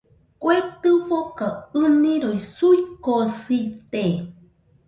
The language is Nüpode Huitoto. Kue tɨfoka ɨniroi suikosite